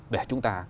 để chúng ta